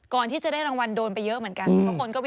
ก่อนที่จะได้รางวัลโดนไปเยอะเหมือนกัน